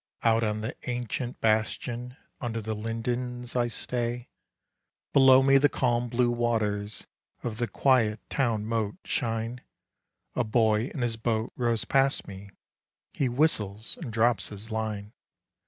Out on the ancient bastion, Under the lindens, I stay. Below me the calm blue waters Of the quiet town moat shine; A boy in his boat rows past me, He whistles and drops his line.